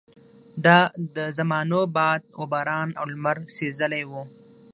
دا د زمانو باد وباران او لمر سېزلي وو.